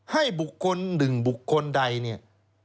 ให้บุคคลหนึ่งบุคคลใดเนี่ย